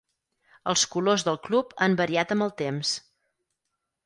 Els colors del club han variat amb el temps.